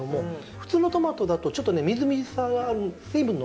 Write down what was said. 普通のトマトだとちょっとみずみずしさがある水分の。